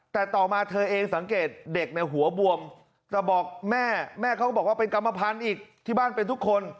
แต่ต่อมาเธอเองสังเกตเด็กในหัวบวมแต่บอกแม่แม่เขาก็บอกว่าเป็นกรรมพันธุ์อีกที่บ้านเป็นทุกคน